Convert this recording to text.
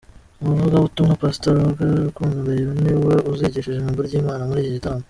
Umuvugabutumwa Pastor Rogers Rukundo Ndahiro, ni we uzigisha ijambo ry’Imana muri iki gitaramo.